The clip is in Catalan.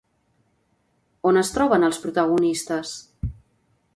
On es troben els protagonistes?